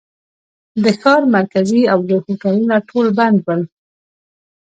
د ښار مرکزي او لوی هوټلونه ټول بند ول.